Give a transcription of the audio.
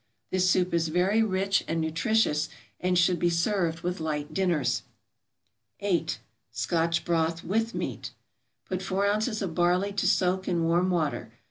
This soup is very rich and nutritious, and should be served with light dinners. 8. =Scotch Broth with Meat.= Put four ounces of barley to soak in warm water.